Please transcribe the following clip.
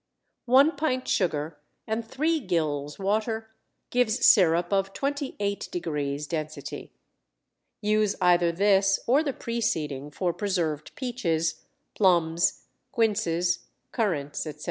One pint sugar and 3 gills water gives sirup of 28° density: Use either this or the preceding for preserved peaches, plums, quinces, currants, etc.